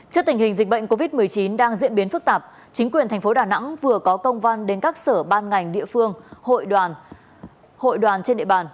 trước tình hình dịch bệnh covid một mươi chín đang diễn biến phức tạp chính quyền tp đà nẵng vừa có công văn đến các sở ban ngành địa phương hội đoàn trên địa bàn